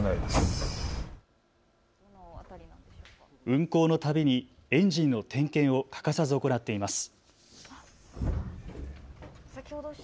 運航のたびにエンジンの点検を欠かさず行っています。